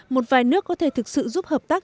một vài nước có thể thực sự giúp hợp tác